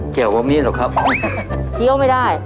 เคี่ยวบะมี่หรือครับครับเคี่ยวไม่ได้